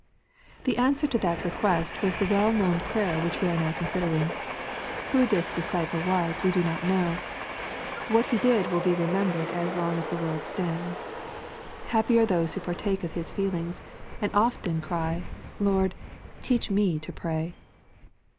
The answer to that request was the w^ell known prayer which we are now considering. Who this ''disciple" was we do not know. What he did will be remembered as long as the world stands. Happy are those who partake of his feelings, and often cry, " Lord, teach me to pray."